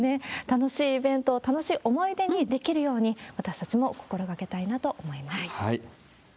楽しいイベントを楽しい思い出にできるように、私たちも心がけたいなと思います。